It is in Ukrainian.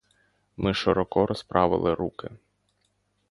Ми широко розправили руки.